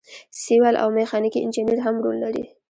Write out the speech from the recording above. سیول او میخانیکي انجینران هم رول لري.